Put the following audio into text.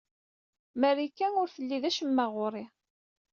Marika ur telli d acemma ɣur-i.